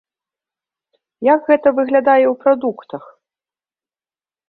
Як гэта выглядае ў прадуктах?